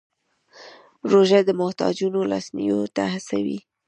روژه د محتاجانو لاسنیوی ته هڅوي.